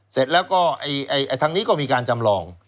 เสร็จแล้วก็ทางนี้ก็มีการจำลอง